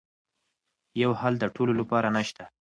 یو حل د ټولو لپاره نه شته.